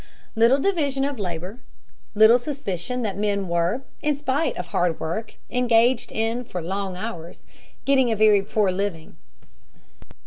], little division of labor, little suspicion that men were, in spite of hard work engaged in for long hours, getting a very poor living.